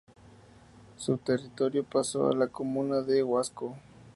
Su territorio pasó a la comuna de Huasco.